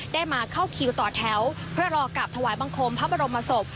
ได้มาเข้าคิวต่อแถวเพื่อรอกลับถวายบังคมพระบรมศพ